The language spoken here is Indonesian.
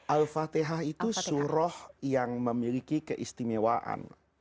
al fatihah itu surah yang memiliki keistimewaan